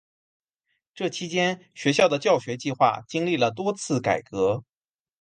这期间学校的教学计划经历了多次改革。